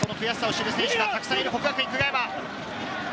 その悔しさを知る選手がたくさんいる國學院久我山。